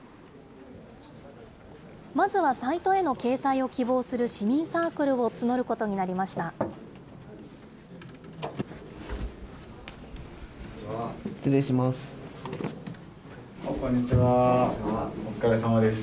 まずはサイトへの掲載を希望する市民サークルを募ることになりま失礼します。